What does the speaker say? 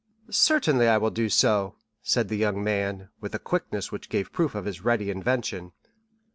"Certainly, I will do so," said the young man, with a quickness which gave proof of his ready invention.